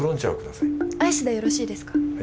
アイスでよろしいですか？